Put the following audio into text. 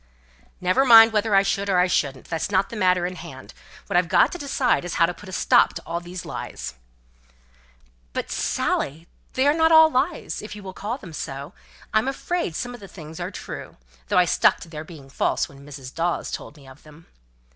"Never mind whether I should or I shouldn't. That's not the matter in hand. What I've got to decide is, how to put a stop to all these lies." "But, Dorothy, they are not all lies if you will call them so; I'm afraid some things are true; though I stuck to their being false when Mrs. Dawes told me of them."